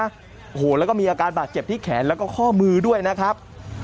โอ้โหแล้วก็มีอาการบาดเจ็บที่แขนแล้วก็ข้อมือด้วยนะครับ